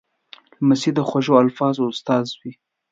لمسی د خوږو الفاظو استاد وي.